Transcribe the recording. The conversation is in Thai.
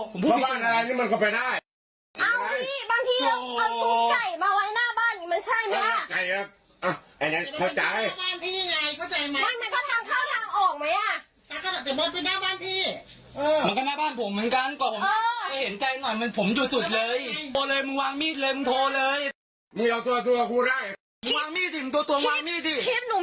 เข้าบ้านอะไรนี่มันเข้าไปได้เอ้าพี่บางทีเอาเอาสุ่มไก่มาไว้หน้าบ้าน